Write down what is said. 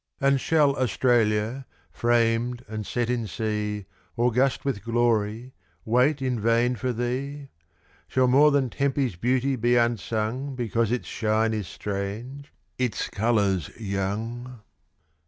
And shall Australia, framed and set in sea, August with glory, wait in vain for thee? Shall more than Tempe's beauty be unsung Because its shine is strange its colours young?